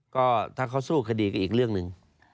ก็ถ้าเขาสู้คดีก็อีกเรื่องหนึ่ง